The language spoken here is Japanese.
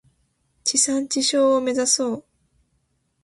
地産地消を目指そう。